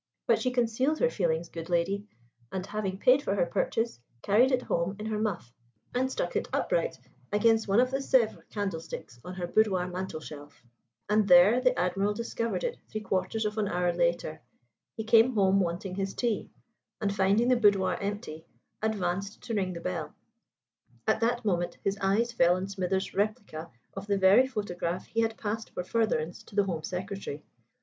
But she concealed her feelings, good lady; and, having paid for her purchase, carried it home in her muff and stuck it upright against one of the Sevres candlesticks on her boudoir mantel shelf. And there the Admiral discovered it three quarters of an hour later. He came home wanting his tea; and, finding the boudoir empty, advanced to ring the bell. At that moment his eyes fell on Smithers' replica of the very photograph he had passed for furtherance to the Home Secretary.